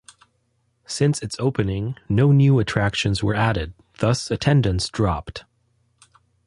Since its opening, no new attractions were added, thus attendance dropped.